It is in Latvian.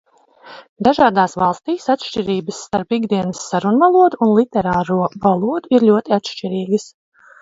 Dažādās valstīs atšķirības starp ikdienas sarunvalodu un literāro valodu ir ļoti atšķirīgas.